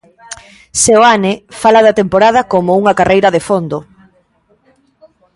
Seoane fala da temporada como unha carreira de fondo.